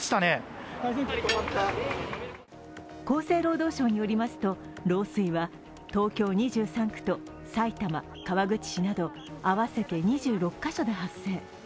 厚生労働省によりますと、漏水は東京２３区と埼玉、川口市など合わせて２６カ所で発生。